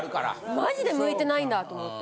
マジで向いてないんだと思って。